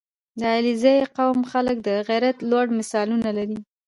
• د علیزي قوم خلک د غیرت لوړ مثالونه لري.